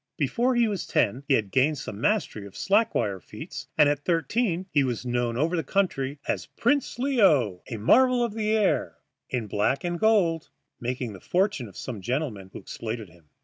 Before he was ten he had gained some mastery of slack wire feats, and at thirteen he was known over the country as Prince Leo, a marvel of the air, in black and gold, making the fortune of some gentlemen who exploited him.